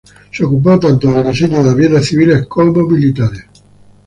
Se ocupó tanto del diseño de aviones civiles como militares.